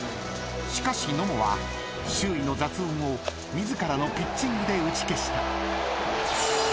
［しかし野茂は周囲の雑音を自らのピッチングで打ち消した］